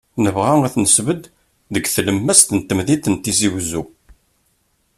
Nebɣa ad t-nesbedd deg tlemmast n temdint n Tizi Uzzu.